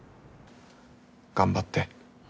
頑張って。